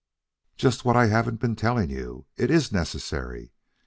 "Just what I haven't been telling you. It IS necessary.